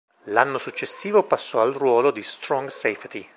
L'anno successivo passò al ruolo di strong safety.